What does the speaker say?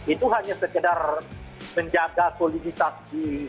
itu hanya sekedar menjaga soliditas di